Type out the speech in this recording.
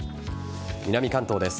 南関東です。